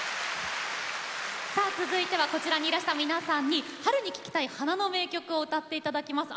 続いては、こちらにいらした皆さんに春に聴きたい花の名曲を歌っていただきます。